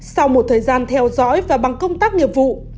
sau một thời gian theo dõi và bằng công tác nghiệp vụ